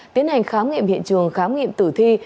tiến hành khám nghiệm hiện trường khám nghiệm tử thi